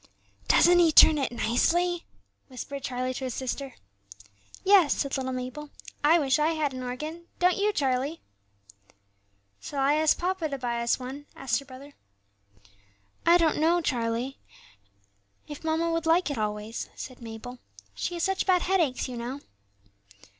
"Doesn't he turn it nicely?" whispered Charlie to his sister. "Yes," said little Mabel; "I wish I had an organ, don't you, Charlie?" "Shall I ask papa to buy us one?" asked her brother. "I don't know, Charlie, if mamma would like it always," said Mabel. "She has such bad headaches, you know."